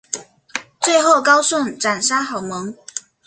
最后高顺斩杀郝萌。